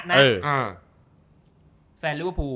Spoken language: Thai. นะ